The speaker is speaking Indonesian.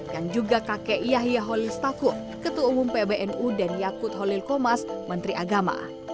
yang juga kakek yahya holil stakut ketua umum pbnu dan yakut holil komas menteri agama